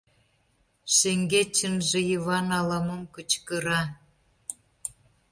Шеҥгечынже Йыван ала-мом кычкыра.